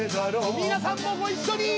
皆さんもご一緒に！